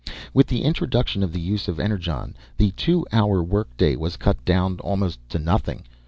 With the introduction of the use of Energon the two hour work day was cut down almost to nothing.